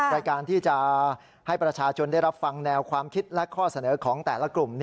รายการที่จะให้ประชาชนได้รับฟังแนวความคิดและข้อเสนอของแต่ละกลุ่ม